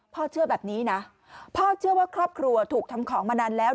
เชื่อแบบนี้นะพ่อเชื่อว่าครอบครัวถูกทำของมานานแล้ว